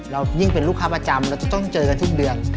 ยิ่งเป็นลูกค้าประจำเราจะต้องเจอกันทุกเดือน